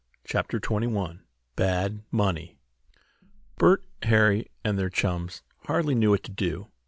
CHAPTER XXI BAD MONEY Bert, Harry and their chums hardly knew what to do.